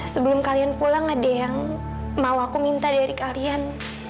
sebelum kalian pulang ada yang mau aku minta dari kalian